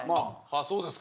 そうですか。